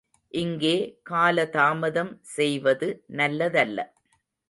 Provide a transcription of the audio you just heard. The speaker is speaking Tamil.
இங்கே காலதாமதம் செய்வது நல்லதல்ல.